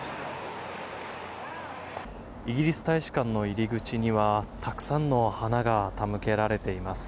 イギリス大使館の入り口にはたくさんの花が手向けられています。